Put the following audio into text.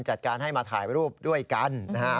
จัดการให้มาถ่ายรูปด้วยกันนะฮะ